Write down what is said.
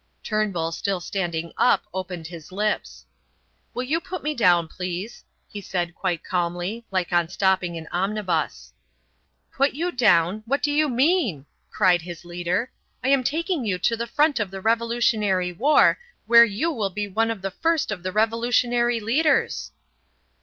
Turnbull, still standing up, opened his lips. "Will you put me down, please?" he said, quite calmly, like on stopping an omnibus. "Put you down what do you mean?" cried his leader. "I am taking you to the front of the revolutionary war, where you will be one of the first of the revolutionary leaders."